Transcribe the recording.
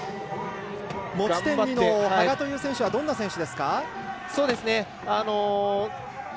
持ち点２の羽賀というのはどんな選手ですか？